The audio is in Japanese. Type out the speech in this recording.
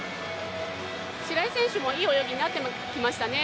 白井選手もいい泳ぎになってきましたね。